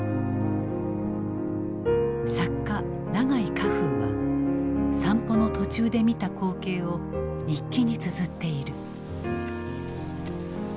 作家永井荷風は散歩の途中で見た光景を日記につづっている。